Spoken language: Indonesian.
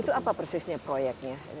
itu apa persisnya proyeknya